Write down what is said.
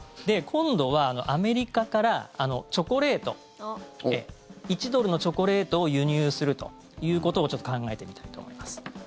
今度はアメリカからチョコレート１ドルのチョコレートを輸入するということを考えてみたいと思います。